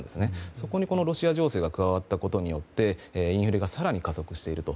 そこにロシア情勢が加わったことによってインフレが加速したと。